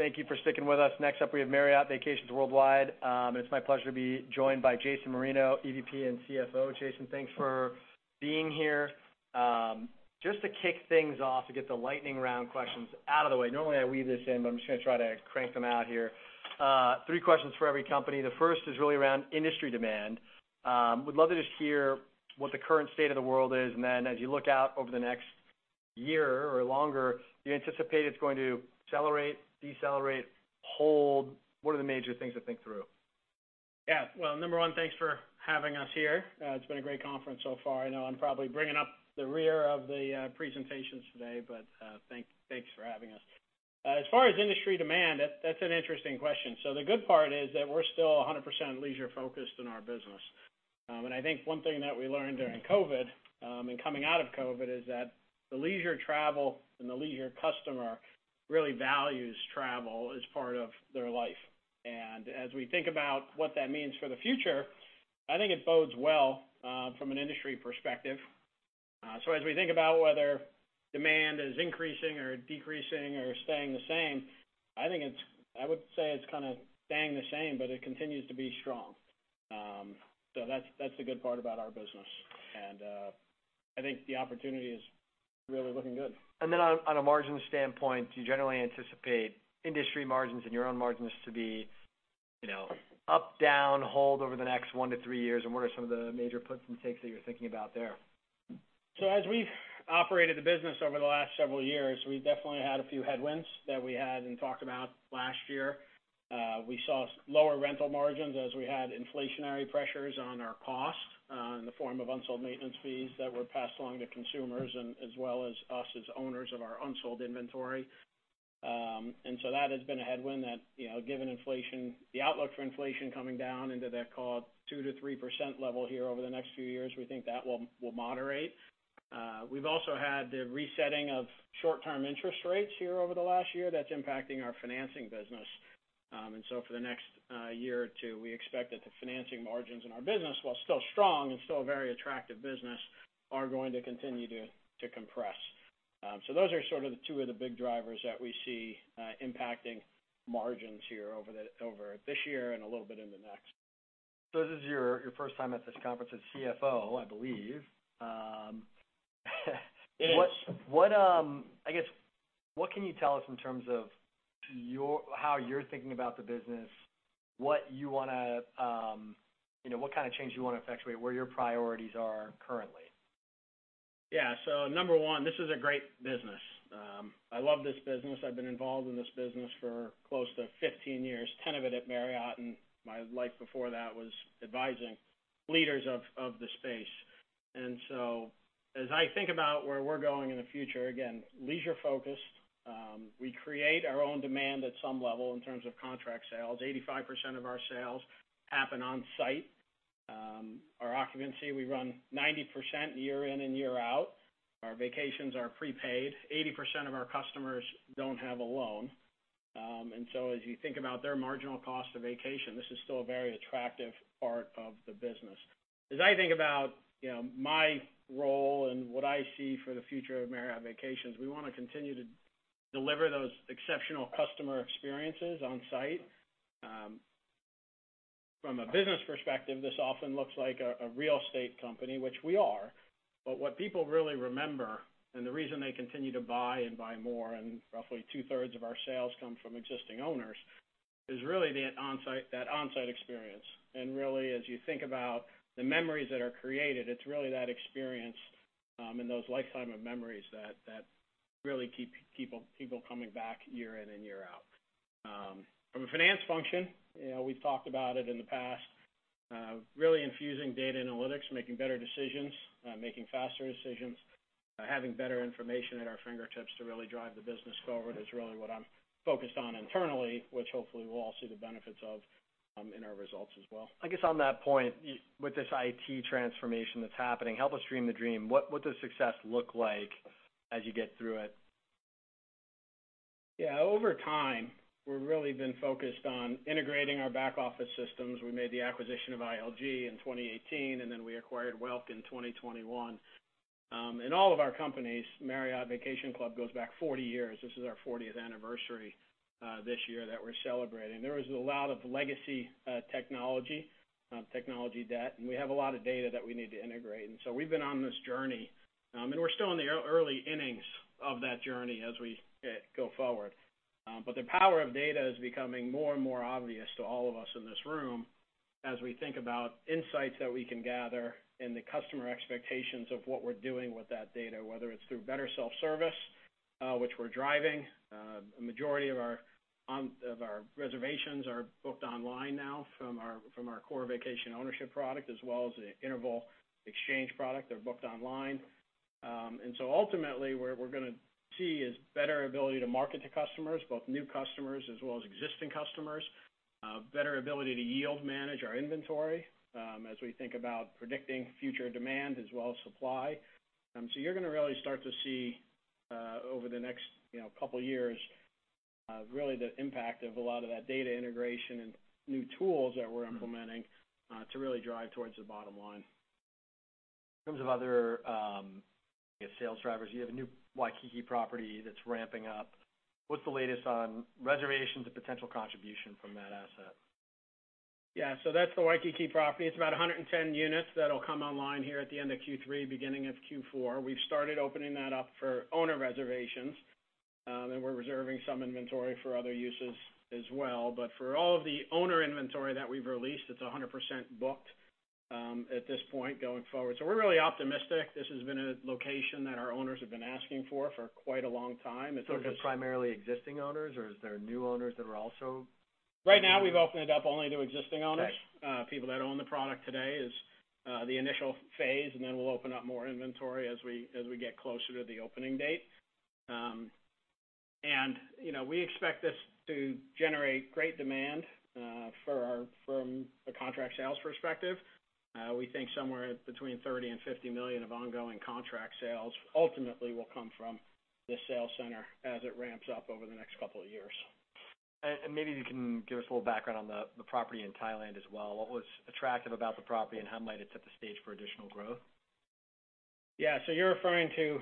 All right, thank you for sticking with us. Next up, we have Marriott Vacations Worldwide. It's my pleasure to be joined by Jason Marino, EVP and CFO. Jason, thanks for being here. Just to kick things off, to get the lightning round questions out of the way. Normally, I weave this in, but I'm just gone try to crank them out here. Three questions for every company. The first is really around industry demand. Would love to just hear what the current state of the world is, and then as you look out over the next year or longer, do you anticipate it's going to accelerate, decelerate, hold? What are the major things to think through? Yeah. Well, number one, thanks for having us here. It's been a great conference so far. I know I'm probably bringing up the rear of the presentations today, but thanks for having us. As far as industry demand, that's an interesting question. So the good part is that we're still 100% leisure focused in our business. And I think one thing that we learned during COVID and coming out of COVID is that the leisure travel and the leisure customer really values travel as part of their life. And as we think about what that means for the future, I think it bodes well from an industry perspective. So as we think about whether demand is increasing or decreasing or staying the same, I think it's, I would say it's kind of staying the same, but it continues to be strong. So that's, that's the good part about our business, and I think the opportunity is really looking good. Then on a margin standpoint, do you generally anticipate industry margins and your own margins to be, you know, up, down, hold over the next 1-3 years? What are some of the major puts and takes that you're thinking about there? So as we've operated the business over the last several years, we've definitely had a few headwinds that we had and talked about last year. We saw lower rental margins as we had inflationary pressures on our cost in the form of unsold maintenance fees that were passed along to consumers and as well as us, as owners of our unsold inventory. And so that has been a headwind that, you know, given inflation, the outlook for inflation coming down into that, call it, 2%-3% level here over the next few years, we think that will, will moderate. We've also had the resetting of short-term interest rates here over the last year that's impacting our financing business. And so for the next year or two, we expect that the financing margins in our business, while still strong and still a very attractive business, are going to continue to compress. So those are sort of the two of the big drivers that we see, impacting margins here over this year and a little bit in the next. This is your first time at this conference as CFO, I believe. It is. I guess, what can you tell us in terms of your, how you're thinking about the business, what you wanna, you know, what kind of change you wanna effectuate, where your priorities are currently? Yeah. So number one, this is a great business. I love this business. I've been involved in this business for close to 15 years, 10 of it at Marriott, and my life before that was advising leaders of the space. And so, as I think about where we're going in the future, again, leisure focused, we create our own demand at some level in terms of contract sales. 85% of our sales happen on site. Our occupancy, we run 90% year in and year out. Our vacations are prepaid. 80% of our customers don't have a loan. And so as you think about their marginal cost of vacation, this is still a very attractive part of the business. As I think about, you know, my role and what I see for the future of Marriott Vacations, we wanna continue to deliver those exceptional customer experiences on site. From a business perspective, this often looks like a real estate company, which we are, but what people really remember, and the reason they continue to buy and buy more, and roughly two-thirds of our sales come from existing owners, is really the onsite, that onsite experience. And really, as you think about the memories that are created, it's really that experience, and those lifetime of memories that really keep people coming back year in and year out. From a finance function, you know, we've talked about it in the past, really infusing data analytics, making better decisions, making faster decisions, having better information at our fingertips to really drive the business forward is really what I'm focused on internally, which hopefully we'll all see the benefits of, in our results as well. I guess on that point, with this IT transformation that's happening, help us dream the dream. What, what does success look like as you get through it? Yeah. Over time, we've really been focused on integrating our back office systems. We made the acquisition of ILG in 2018, and then we acquired Welk in 2021. In all of our companies, Marriott Vacation Club goes back 40 years. This is our 40th anniversary this year that we're celebrating. There was a lot of legacy technology, technology debt, and we have a lot of data that we need to integrate, and so we've been on this journey. And we're still in the early innings of that journey as we go forward. But the power of data is becoming more and more obvious to all of us in this room as we think about insights that we can gather and the customer expectations of what we're doing with that data, whether it's through better self-service, which we're driving. A majority of our reservations are booked online now from our core vacation ownership product, as well as the Interval exchange product. They're booked online. And so ultimately, what we're gonna see is better ability to market to customers, both new customers as well as existing customers, better ability to yield manage our inventory, as we think about predicting future demand as well as supply. So you're gonna really start to see, over the next, you know, couple years, really the impact of a lot of that data integration and new tools that we're implementing, to really drive towards the bottom line.... In terms of other sales drivers, you have a new Waikiki property that's ramping up. What's the latest on reservations and potential contribution from that asset? Yeah, so that's the Waikiki property. It's about 110 units that'll come online here at the end of Q3, beginning of Q4. We've started opening that up for owner reservations, and we're reserving some inventory for other uses as well. But for all of the owner inventory that we've released, it's 100% booked, at this point going forward. So we're really optimistic. This has been a location that our owners have been asking for, for quite a long time. It's- Is this primarily existing owners, or is there new owners that are also? Right now, we've opened it up only to existing owners. Right. People that own the product today is the initial phase, and then we'll open up more inventory as we get closer to the opening date. You know, we expect this to generate great demand for our—from a contract sales perspective. We think somewhere between $30 million and $50 million of ongoing contract sales ultimately will come from this sales center as it ramps up over the next couple of years. Maybe you can give us a little background on the property in Thailand as well. What was attractive about the property, and how might it set the stage for additional growth? Yeah, so you're referring to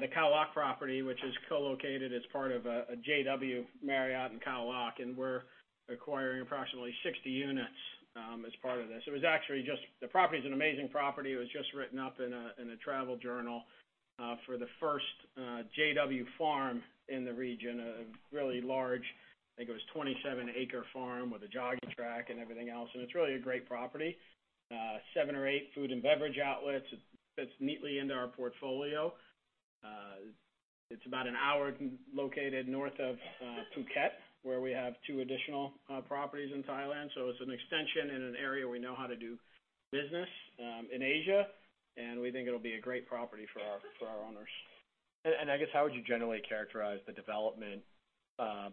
the Khao Lak property, which is co-located as part of a JW Marriott in Khao Lak, and we're acquiring approximately 60 units as part of this. It was actually just. The property is an amazing property. It was just written up in a travel journal for the first JW farm in the region, a really large, I think it was 27-acre farm with a jogging track and everything else, and it's really a great property. 7 or 8 food and beverage outlets. It fits neatly into our portfolio. It's about an hour located north of Phuket, where we have 2 additional properties in Thailand. So it's an extension in an area we know how to do business, in Asia, and we think it'll be a great property for our, for our owners. I guess, how would you generally characterize the development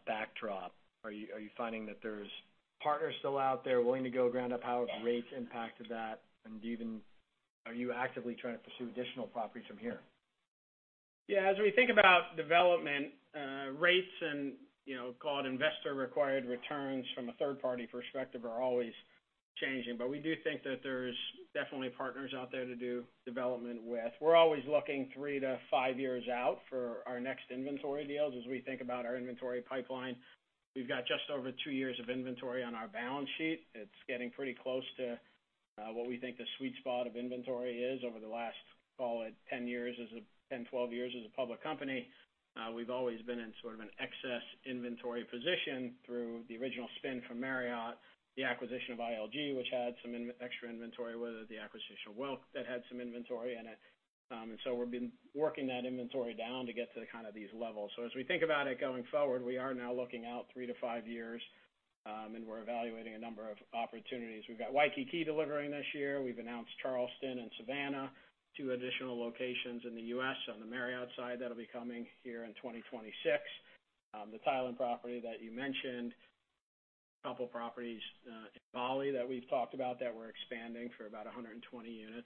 backdrop? Are you finding that there's partners still out there willing to go ground up? How have rates impacted that? And are you actively trying to pursue additional properties from here? Yeah, as we think about development, rates and, you know, call it investor-required returns from a third-party perspective are always changing. But we do think that there's definitely partners out there to do development with. We're always looking 3-5 years out for our next inventory deals. As we think about our inventory pipeline, we've got just over 2 years of inventory on our balance sheet. It's getting pretty close to what we think the sweet spot of inventory is over the last, call it 10-12 years as a public company. We've always been in sort of an excess inventory position through the original spin from Marriott, the acquisition of ILG, which had some extra inventory with it, the acquisition of Welk that had some inventory in it. And so we've been working that inventory down to get to kind of these levels. So as we think about it going forward, we are now looking out 3-5 years, and we're evaluating a number of opportunities. We've got Waikiki delivering this year. We've announced Charleston and Savannah, two additional locations in the U.S. on the Marriott side that'll be coming here in 2026. The Thailand property that you mentioned, a couple properties, in Bali that we've talked about that we're expanding for about 120 units,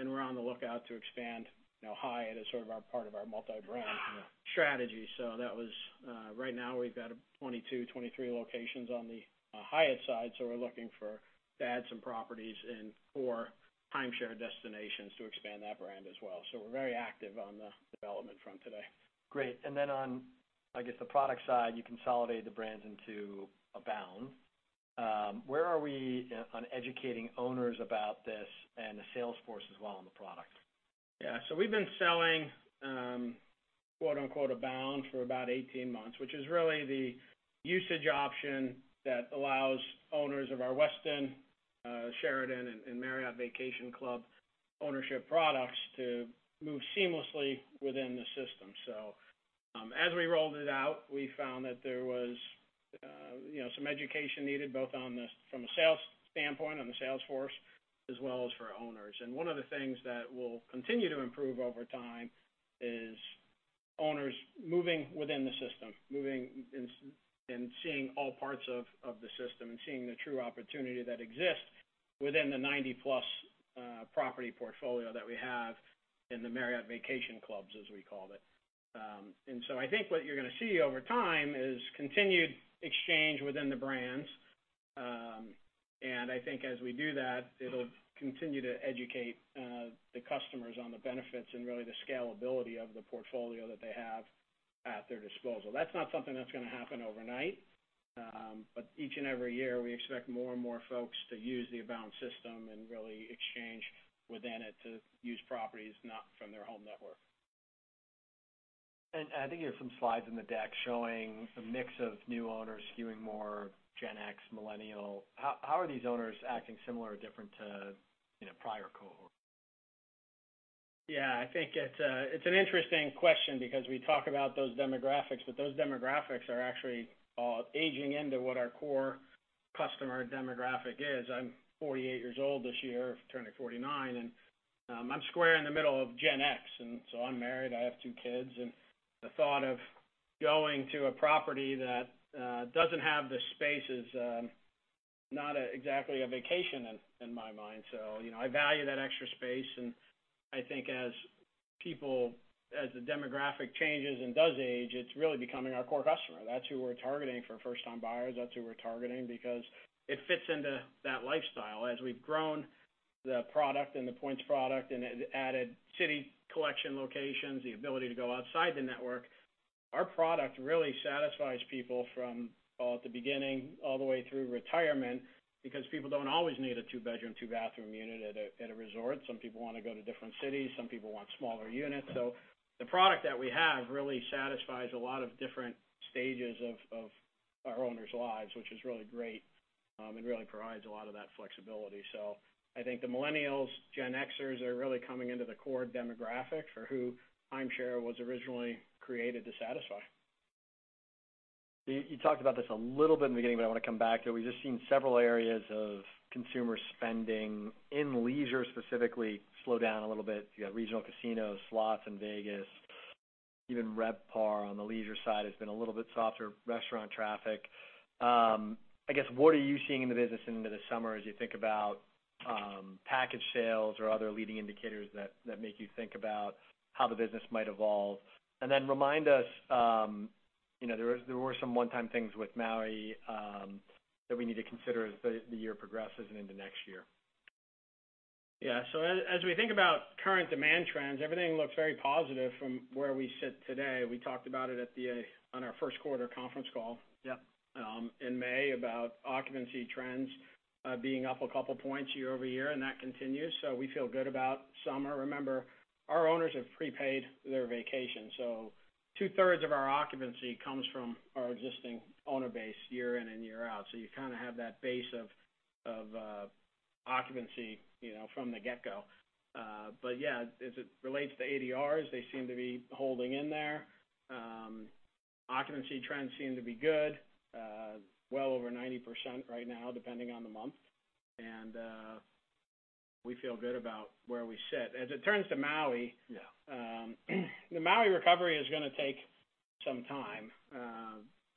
and we're on the lookout to expand, you know, Hyatt as sort of our part of our multi-brand strategy. So that was... Right now, we've got 22-23 locations on the Hyatt side, so we're looking to add some properties and more timeshare destinations to expand that brand as well. We're very active on the development front today. Great. And then on, I guess, the product side, you consolidated the brands into Abound. Where are we on educating owners about this and the sales force as well on the product? Yeah, so we've been selling, quote-unquote, Abound for about 18 months, which is really the usage option that allows owners of our Westin, Sheraton, and Marriott Vacation Club ownership products to move seamlessly within the system. So, as we rolled it out, we found that there was, you know, some education needed, both from a sales standpoint, on the sales force, as well as for owners. And one of the things that will continue to improve over time is owners moving within the system, moving and seeing all parts of the system and seeing the true opportunity that exists within the 90-plus property portfolio that we have in the Marriott Vacation Clubs, as we called it. And so I think what you're going to see over time is continued exchange within the brands. I think as we do that, it'll continue to educate the customers on the benefits and really the scalability of the portfolio that they have at their disposal. That's not something that's going to happen overnight, but each and every year, we expect more and more folks to use the Abound system and really exchange within it to use properties not from their home network. I think you have some slides in the deck showing a mix of new owners skewing more Gen X, Millennial. How, how are these owners acting similar or different to, you know, prior cohorts? Yeah, I think it's an interesting question because we talk about those demographics, but those demographics are actually aging into what our core customer demographic is. I'm 48 years old this year, turning 49, and I'm square in the middle of Gen X, and so I'm married, I have 2 kids, and the thought of going to a property that doesn't have the space is not exactly a vacation in my mind. So, you know, I value that extra space, and I think as people, as the demographic changes and does age, it's really becoming our core customer. That's who we're targeting for first-time buyers. That's who we're targeting because it fits into that lifestyle. As we've grown the product and the points product and added City Collection locations, the ability to go outside the network, our product really satisfies people from, well, at the beginning, all the way through retirement, because people don't always need a two-bedroom, two-bathroom unit at a resort. Some people wanna go to different cities, some people want smaller units. So the product that we have really satisfies a lot of different stages of our owners' lives, which is really great, and really provides a lot of that flexibility. So I think the Millennials, Gen Xers are really coming into the core demographic for who timeshare was originally created to satisfy. You talked about this a little bit in the beginning, but I wanna come back to it. We've just seen several areas of consumer spending in leisure, specifically, slow down a little bit. You got regional casinos, slots in Vegas, even RevPAR on the leisure side has been a little bit softer, restaurant traffic. I guess, what are you seeing in the business into the summer as you think about, package sales or other leading indicators that make you think about how the business might evolve? And then remind us, you know, there were some one-time things with Maui, that we need to consider as the year progresses and into next year. Yeah. So as we think about current demand trends, everything looks very positive from where we sit today. We talked about it on our first quarter conference call- Yep... in May, about occupancy trends, being up a couple points year-over-year, and that continues, so we feel good about summer. Remember, our owners have prepaid their vacation, so two-thirds of our occupancy comes from our existing owner base, year in and year out. So you kind of have that base of occupancy, you know, from the get-go. But yeah, as it relates to ADRs, they seem to be holding in there. Occupancy trends seem to be good, well over 90% right now, depending on the month. And, we feel good about where we sit. As it turns to Maui- Yeah. The Maui recovery is gonna take some time.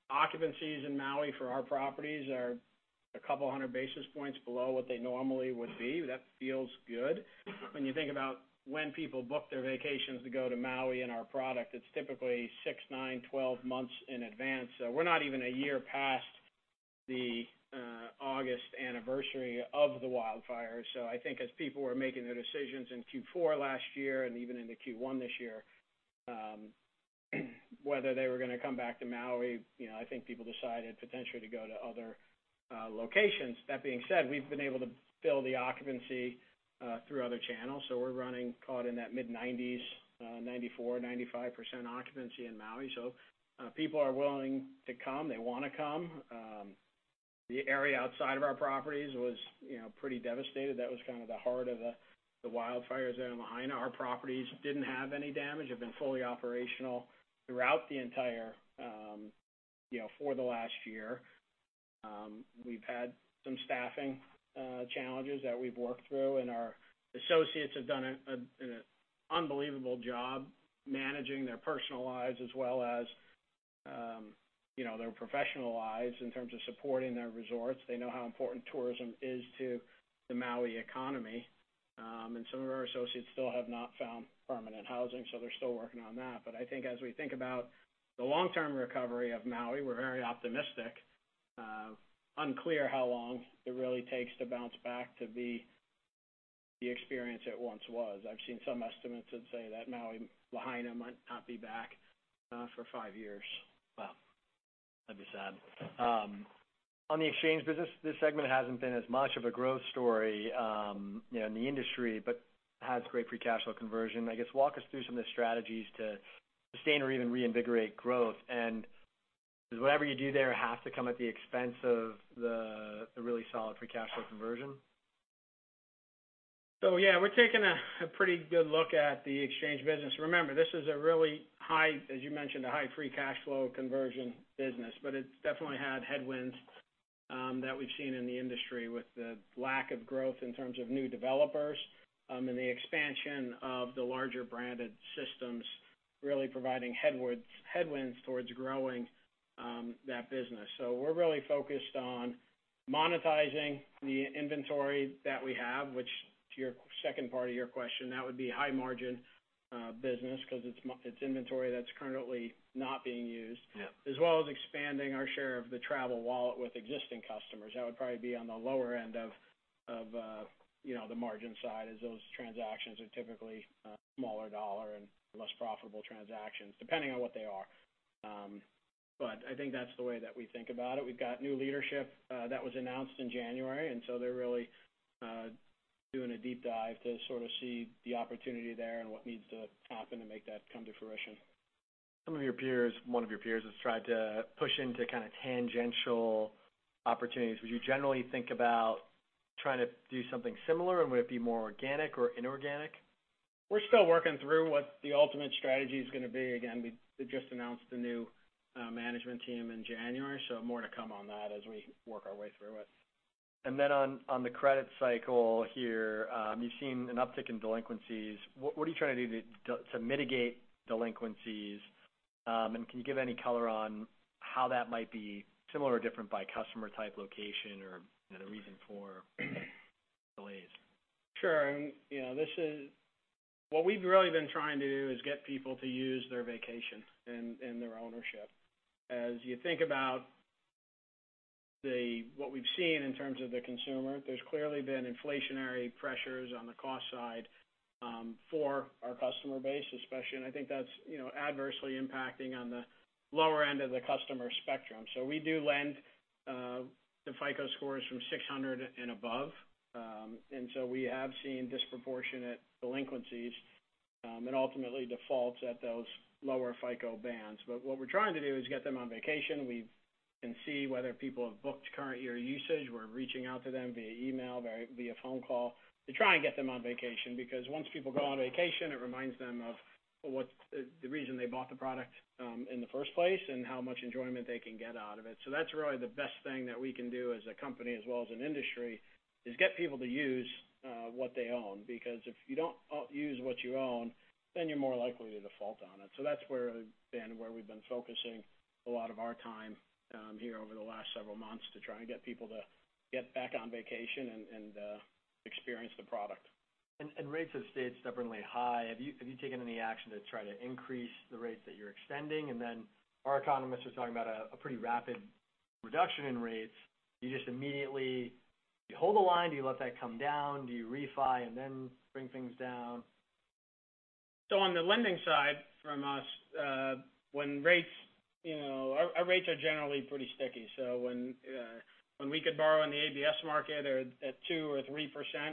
Occupancies in Maui for our properties are a couple of hundred basis points below what they normally would be. That feels good. When you think about when people book their vacations to go to Maui and our product, it's typically 6, 9, 12 months in advance. So we're not even a year past the August anniversary of the wildfire. So I think as people were making their decisions in Q4 last year and even into Q1 this year, whether they were gonna come back to Maui, you know, I think people decided potentially to go to other locations. That being said, we've been able to fill the occupancy through other channels, so we're running caught in that mid-90s 94%-95% occupancy in Maui. So people are willing to come, they wanna come. The area outside of our properties was, you know, pretty devastated. That was kind of the heart of the wildfires there in Lahaina. Our properties didn't have any damage, have been fully operational throughout the entire, you know, for the last year. We've had some staffing challenges that we've worked through, and our associates have done an unbelievable job managing their personal lives as well as, you know, their professional lives in terms of supporting their resorts. They know how important tourism is to the Maui economy. And some of our associates still have not found permanent housing, so they're still working on that. But I think as we think about the long-term recovery of Maui, we're very optimistic. Unclear how long it really takes to bounce back to the experience it once was. I've seen some estimates that say that Maui Lahaina might not be back for five years. Well, that'd be sad. On the exchange business, this segment hasn't been as much of a growth story, you know, in the industry, but has great free cash flow conversion. I guess, walk us through some of the strategies to sustain or even reinvigorate growth. And does whatever you do there have to come at the expense of the really solid free cash flow conversion? So yeah, we're taking a pretty good look at the exchange business. Remember, this is a really high, as you mentioned, a high free cash flow conversion business, but it's definitely had headwinds that we've seen in the industry with the lack of growth in terms of new developers, and the expansion of the larger branded systems, really providing headwinds towards growing that business. So we're really focused on monetizing the inventory that we have, which, to your second part of your question, that would be high-margin business because it's inventory that's currently not being used. Yeah. As well as expanding our share of the travel wallet with existing customers. That would probably be on the lower end of the margin side, you know, as those transactions are typically smaller dollar and less profitable transactions, depending on what they are. But I think that's the way that we think about it. We've got new leadership that was announced in January, and so they're really doing a deep dive to sort of see the opportunity there and what needs to happen to make that come to fruition. Some of your peers, one of your peers, has tried to push into kind of tangential opportunities. Would you generally think about trying to do something similar, and would it be more organic or inorganic? We're still working through what the ultimate strategy is gonna be. Again, we just announced a new management team in January, so more to come on that as we work our way through it. And then on the credit cycle here, you've seen an uptick in delinquencies. What are you trying to do to mitigate delinquencies? And can you give any color on how that might be similar or different by customer type, location, or, you know, the reason for delays? Sure. You know, this is what we've really been trying to do is get people to use their vacation and their ownership. As you think about what we've seen in terms of the consumer, there's clearly been inflationary pressures on the cost side for our customer base, especially, and I think that's, you know, adversely impacting on the lower end of the customer spectrum. So we do lend to FICO scores from 600 and above. And so we have seen disproportionate delinquencies and ultimately defaults at those lower FICO bands. But what we're trying to do is get them on vacation. We can see whether people have booked current year usage. We're reaching out to them via email, via phone call, to try and get them on vacation. Because once people go on vacation, it reminds them of what's the, the reason they bought the product in the first place, and how much enjoyment they can get out of it. So that's really the best thing that we can do as a company as well as an industry, is get people to use what they own. Because if you don't use what you own, then you're more likely to default on it. So that's where we've been focusing a lot of our time here over the last several months, to try and get people to get back on vacation and experience the product. And rates have stayed stubbornly high. Have you taken any action to try to increase the rates that you're extending? And then our economists are talking about a pretty rapid reduction in rates. Do you just immediately... Do you hold the line? Do you let that come down? Do you refi and then bring things down? So on the lending side, from us, when rates, you know... Our rates are generally pretty sticky. So when we could borrow in the ABS market or at 2 or 3%,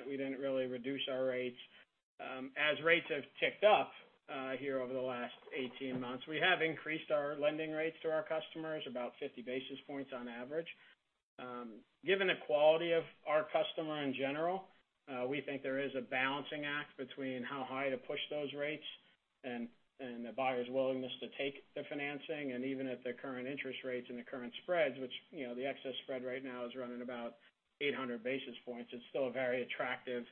we didn't really reduce our rates. As rates have ticked up here over the last 18 months, we have increased our lending rates to our customers about 50 basis points on average. Given the quality of our customer in general, we think there is a balancing act between how high to push those rates and the buyer's willingness to take the financing. And even at the current interest rates and the current spreads, which, you know, the excess spread right now is running about 800 basis points, it's still a very attractive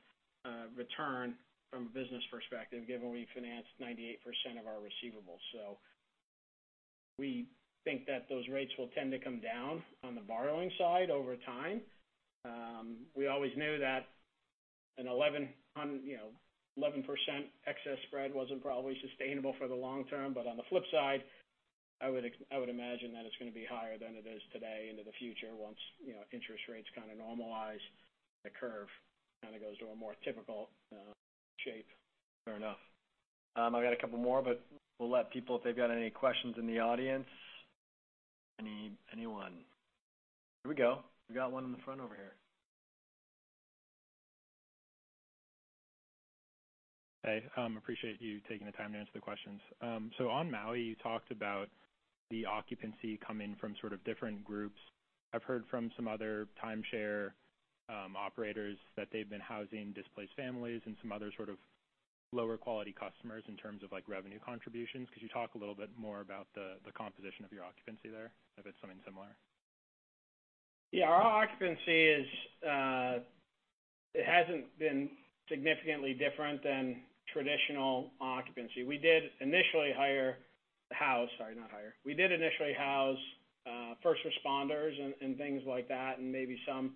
return from a business perspective, given we financed 98% of our receivables. So we think that those rates will tend to come down on the borrowing side over time. We always knew that you know, 11% excess spread wasn't probably sustainable for the long term, but on the flip side, I would imagine that it's gonna be higher than it is today into the future once, you know, interest rates kind of normalize, the curve kind of goes to a more typical shape. Fair enough. I got a couple more, but we'll let people, if they've got any questions in the audience. Anyone? Here we go. We got one in the front over here. Hey, appreciate you taking the time to answer the questions. So on Maui, you talked about the occupancy coming from sort of different groups. I've heard from some other timeshare operators that they've been housing displaced families and some other sort of lower-quality customers in terms of, like, revenue contributions. Could you talk a little bit more about the composition of your occupancy there, if it's something similar? Yeah, our occupancy is. It hasn't been significantly different than traditional occupancy. We did initially hire—house, sorry, not hire. We did initially house first responders and things like that, and maybe some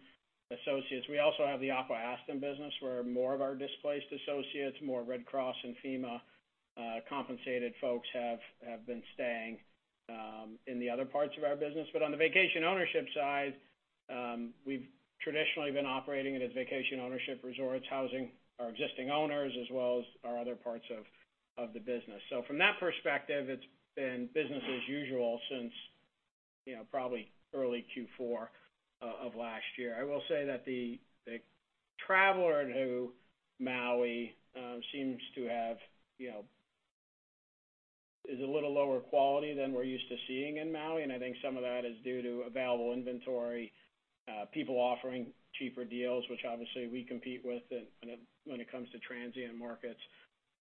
associates. We also have the Aqua-Aston business, where more of our displaced associates, more Red Cross and FEMA compensated folks have been staying in the other parts of our business. But on the vacation ownership side, we've traditionally been operating it as vacation ownership resorts, housing our existing owners as well as our other parts of the business. So from that perspective, it's been business as usual since, you know, probably early Q4 of last year. I will say that the traveler to Maui seems to have, you know... It's a little lower quality than we're used to seeing in Maui, and I think some of that is due to available inventory, people offering cheaper deals, which obviously we compete with when it comes to transient markets,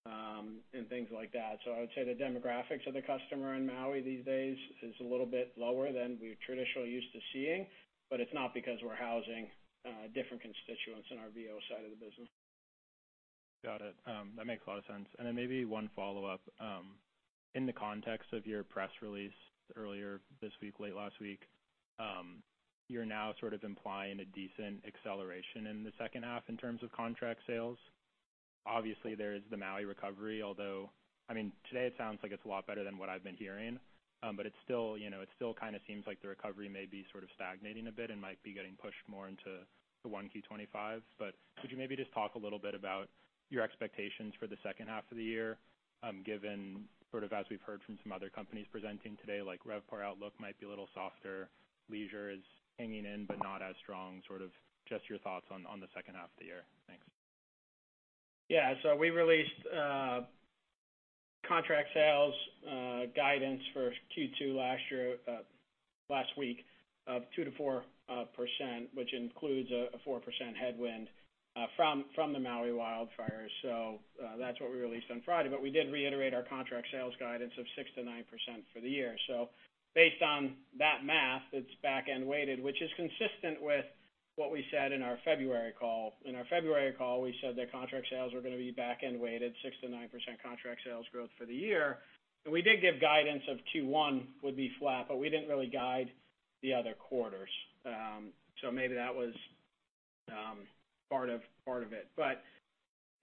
and things like that. So I would say the demographics of the customer in Maui these days is a little bit lower than we're traditionally used to seeing, but it's not because we're housing different constituents in our VO side of the business. Got it. That makes a lot of sense. And then maybe one follow-up. In the context of your press release earlier this week, late last week, you're now sort of implying a decent acceleration in the second half in terms of contract sales. Obviously, there is the Maui recovery, although... I mean, today it sounds like it's a lot better than what I've been hearing, but it's still, you know, it still kind of seems like the recovery may be sort of stagnating a bit and might be getting pushed more into the 1Q 2025. But could you maybe just talk a little bit about your expectations for the second half of the year, given sort of, as we've heard from some other companies presenting today, like RevPAR outlook might be a little softer, leisure is hanging in, but not as strong. Sort of just your thoughts on the second half of the year? Thanks. Yeah, so we released contract sales guidance for Q2 last year last week of 2%-4%, which includes a 4% headwind from the Maui wildfires. So that's what we released on Friday, but we did reiterate our contract sales guidance of 6%-9% for the year. So based on that math, it's back-end weighted, which is consistent with what we said in our February call. In our February call, we said that contract sales were going to be back-end weighted, 6%-9% contract sales growth for the year. And we did give guidance of Q1 would be flat, but we didn't really guide the other quarters. So maybe that was part of it. But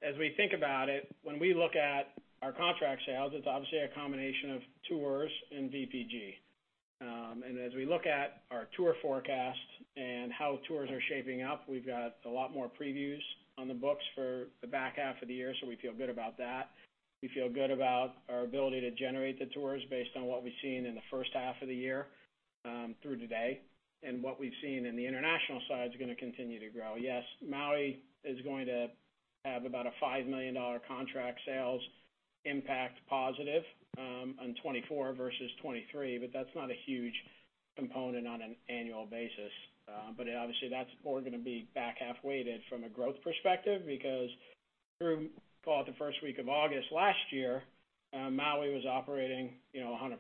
as we think about it, when we look at our contract sales, it's obviously a combination of tours and VPG. And as we look at our tour forecast and how tours are shaping up, we've got a lot more previews on the books for the back half of the year, so we feel good about that. We feel good about our ability to generate the tours based on what we've seen in the first half of the year, through today, and what we've seen in the international side is gonna continue to grow. Yes, Maui is going to have about a $5 million contract sales impact, positive, on 2024 versus 2023, but that's not a huge component on an annual basis. But obviously, that's more gonna be back half weighted from a growth perspective, because through, call it the first week of August last year, Maui was operating, you know, 100%.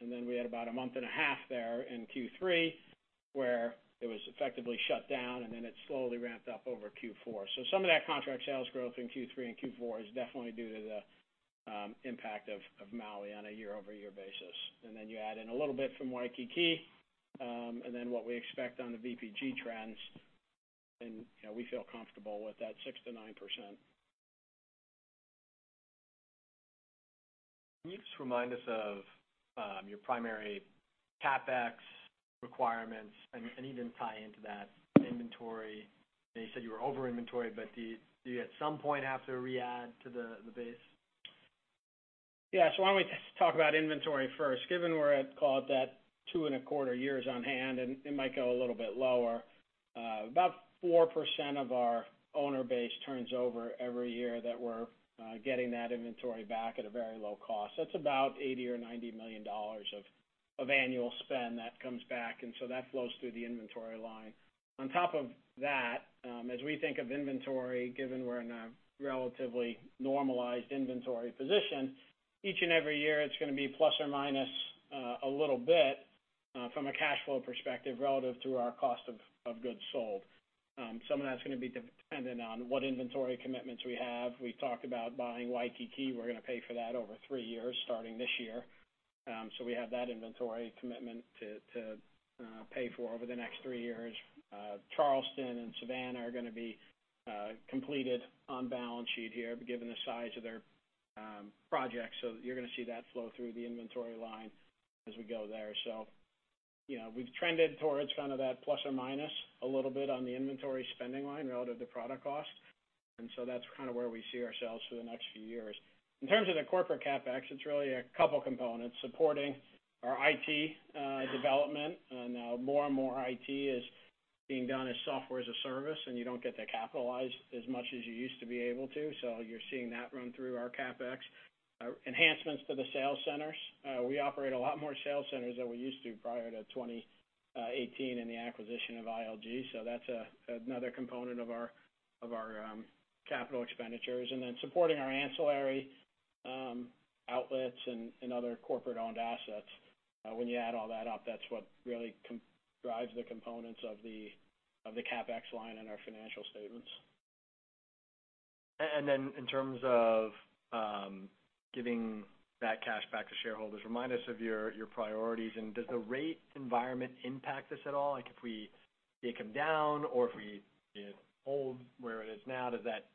And then we had about a month and a half there in Q3 where it was effectively shut down, and then it slowly ramped up over Q4. So some of that contract sales growth in Q3 and Q4 is definitely due to the impact of Maui on a year-over-year basis. And then you add in a little bit from Waikiki, and then what we expect on the VPG trends, and, you know, we feel comfortable with that 6%-9%. Can you just remind us of your primary CapEx requirements? And even tie into that inventory. And you said you were over inventory, but do you at some point have to re-add to the base? Yeah, so why don't we talk about inventory first? Given we're at, call it, that 2.25 years on hand, and it might go a little bit lower, about 4% of our owner base turns over every year that we're getting that inventory back at a very low cost. That's about $80 million-$90 million of annual spend that comes back, and so that flows through the inventory line. On top of that, as we think of inventory, given we're in a relatively normalized inventory position, each and every year, it's gonna be plus or minus a little bit from a cash flow perspective relative to our cost of goods sold. Some of that's gonna be dependent on what inventory commitments we have. We've talked about buying Waikiki. We're gonna pay for that over three years, starting this year. So we have that inventory commitment to pay for over the next three years. Charleston and Savannah are gonna be completed on balance sheet here, but given the size of their projects, so you're gonna see that flow through the inventory line as we go there. So, you know, we've trended towards kind of that plus or minus a little bit on the inventory spending line relative to product cost, and so that's kind of where we see ourselves for the next few years. In terms of the corporate CapEx, it's really a couple components: supporting our IT development. More and more IT is being done as software as a service, and you don't get to capitalize as much as you used to be able to, so you're seeing that run through our CapEx. Enhancements to the sales centers. We operate a lot more sales centers than we used to prior to 2018, and the acquisition of ILG, so that's another component of our capital expenditures. And then supporting our ancillary outlets and other corporate-owned assets. When you add all that up, that's what really drives the components of the CapEx line in our financial statements. Then in terms of giving that cash back to shareholders, remind us of your priorities, and does the rate environment impact this at all? Like, if we see it come down or if we see it hold where it is now, does that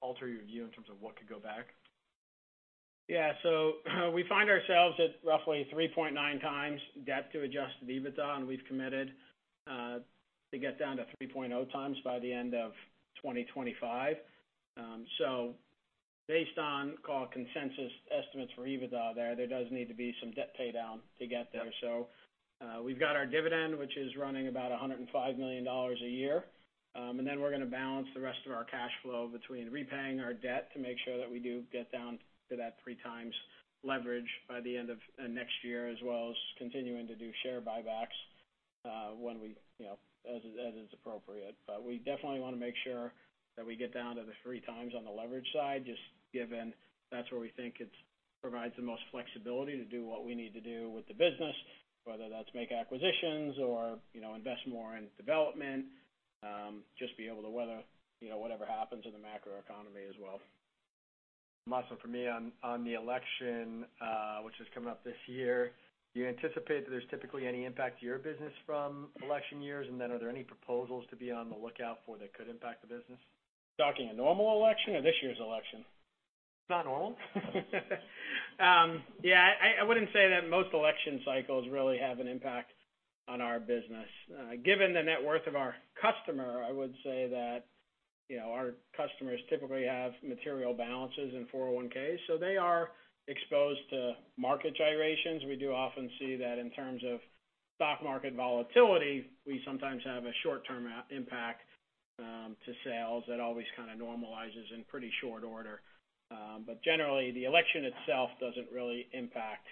alter your view in terms of what could go back? Yeah, so we find ourselves at roughly 3.9 times debt to Adjusted EBITDA, and we've committed to get down to 3.0 times by the end of 2025. So based on, call it, consensus estimates for EBITDA, there does need to be some debt paydown to get there. So, we've got our dividend, which is running about $105 million a year. And then we're gonna balance the rest of our cash flow between repaying our debt to make sure that we do get down to that 3 times leverage by the end of next year, as well as continuing to do share buybacks, when we, you know, as, as is appropriate. But we definitely wanna make sure that we get down to the 3x on the leverage side, just given that's where we think it's provides the most flexibility to do what we need to do with the business, whether that's make acquisitions or, you know, invest more in development, just be able to weather, you know, whatever happens in the macroeconomy as well. Awesome. For me, on the election, which is coming up this year, do you anticipate that there's typically any impact to your business from election years? And then, are there any proposals to be on the lookout for that could impact the business? Talking a normal election or this year's election? It's not normal? Yeah, I wouldn't say that most election cycles really have an impact on our business. Given the net worth of our customer, I would say that, you know, our customers typically have material balances in 401(k)s, so they are exposed to market gyrations. We do often see that in terms of stock market volatility, we sometimes have a short-term impact to sales that always kind of normalizes in pretty short order. But generally, the election itself doesn't really impact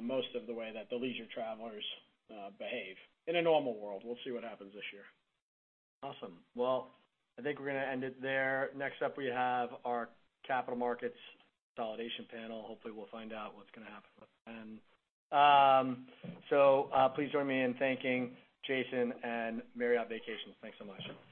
most of the way that the leisure travelers behave in a normal world. We'll see what happens this year. Awesome. Well, I think we're gonna end it there. Next up, we have our capital markets consolidation panel. Hopefully, we'll find out what's gonna happen with them. Please join me in thanking Jason and Marriott Vacations. Thanks so much.